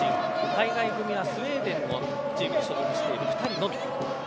海外組は、スウェーデンのチームに所属している２人のみ。